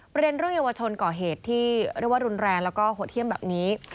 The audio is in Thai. เรื่องเยาวชนก่อเหตุที่เรียกว่ารุนแรงแล้วก็โหดเยี่ยมแบบนี้